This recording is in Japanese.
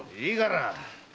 いいから！